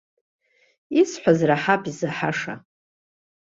Исҳәаз раҳап изаҳаша.